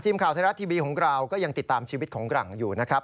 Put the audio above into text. ทีมข่าวไทยรัฐทีวีของเราก็ยังติดตามชีวิตของหลังอยู่นะครับ